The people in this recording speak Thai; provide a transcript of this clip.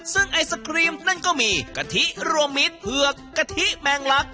ซึ่งไอศครีมนั่นก็มีกะทิรวมมิตรเผือกกะทิแมงลัก